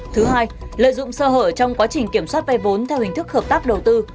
thứ hai lợi dụng sơ hở trong quá trình kiểm soát vay vốn theo hình thức hợp tác đầu tư